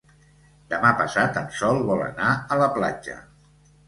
Demà passat en Sol vol anar a la platja.